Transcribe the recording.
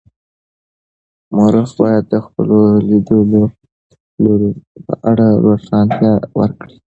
مورخ باید د خپلو لیدلورو په اړه روښانتیا ورکړي.